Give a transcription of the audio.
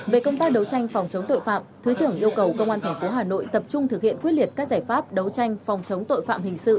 về công tác đấu tranh phòng chống tội phạm thứ trưởng yêu cầu công an tp hà nội tập trung thực hiện quyết liệt các giải pháp đấu tranh phòng chống tội phạm hình sự